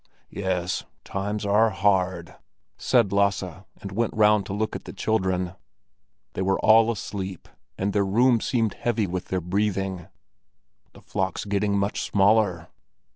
"Yes, times are hard!" said Lasse, and went round to look at the children. They were all asleep, and their room seemed heavy with their breathing. "The flock's getting much smaller."